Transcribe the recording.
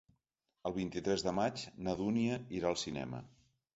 El vint-i-tres de maig na Dúnia irà al cinema.